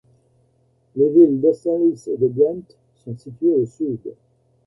Les villes d'Austerlitz et de Ghent sont situées au Sud.